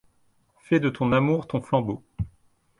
Fais de ton amour ton flambeau.